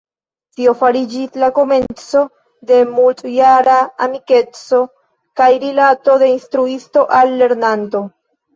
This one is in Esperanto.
Tio fariĝis la komenco de multjara amikeco kaj rilato de instruisto al lernanto.